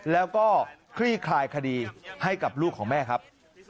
แล้วก็คลี่คลายคดีให้กับลูกของแม่ครับ